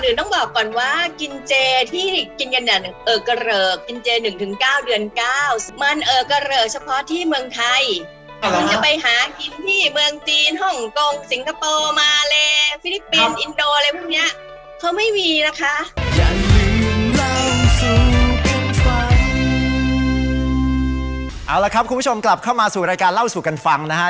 เอาละครับคุณผู้ชมกลับเข้ามาสู่รายการเล่าสู่กันฟังนะฮะ